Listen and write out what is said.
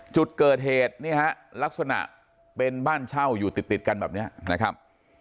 จุดเกิดเหตุเนี่ยฮะลักษณะเป็นบ้านเช่าอยู่ติดกันแบบนี้นะครับ